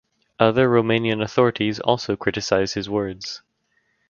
Other Romanian authorities also criticized his words.